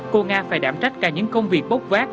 cô nga phải đảm trách cả những công việc bốc vác